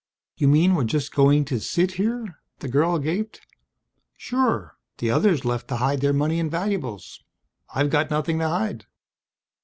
"You mean we're just going to sit here?" the girl gaped. "Sure. The others left to hide their money and valuables. I've got nothing to hide."